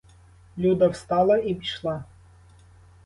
Люда встала і пішла.